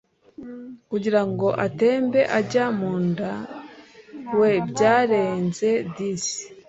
kugira ngo atembe ajya mu nda we byaranze disi